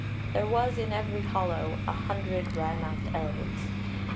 There was in every hollow A hundred wrymouthed elves.